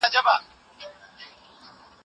زه به سبا موبایل کار کړم!